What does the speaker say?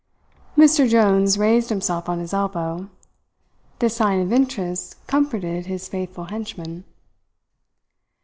Mr Jones raised himself on his elbow. This sign of interest comforted his faithful henchman.